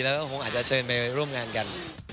แล้วก็คงอาจจะเชิญไปร่วมงานกัน